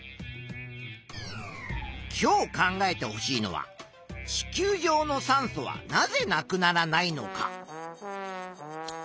今日考えてほしいのは地球上の酸素はなぜなくならないのか。